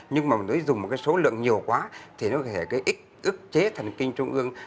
nhưng mà dùng một số lượng nhiều quá thì nó có thể ức chế thần kinh trung ương